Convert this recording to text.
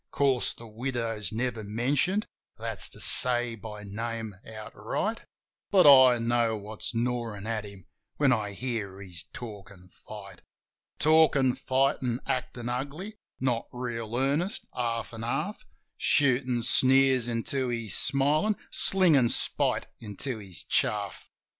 Course, the widow's never mentioned — that's to say, by name, outright ; But I know what's gnawin' at him when I hear he's talkin' fight. Talkin' fight an' actin' ugly : not reel earnest, half an' half — Shootin' sneers into his smilin', slingin' spite into his chaff.